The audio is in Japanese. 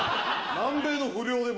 南米の不良でも。